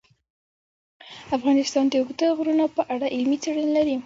افغانستان د اوږده غرونه په اړه علمي څېړنې لري.